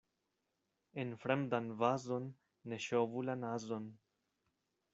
En fremdan vazon ne ŝovu la nazon.